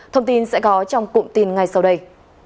thông tin sẽ có trong cụm tin ngay sau đây